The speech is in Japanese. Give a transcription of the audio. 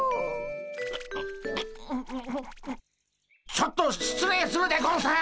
ちょっと失礼するでゴンス！